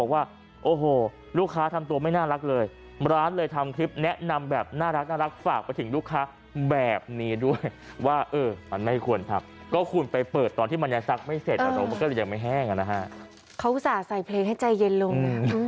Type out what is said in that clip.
ว่ามันไม่ควรทับก็ควรไปเปิดตอนที่มันยังสักไม่เสร็จก็เลยยังไม่แห้งนะครับเขาอุตส่าห์ใส่เพลงให้ใจเย็นลง